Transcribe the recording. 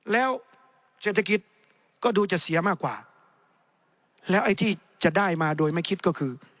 แล้วเศรษฐกิจก็ดูจะเสียมากกว่าแล้วไอ้ที่จะได้มาโดยไม่คิดก็คือ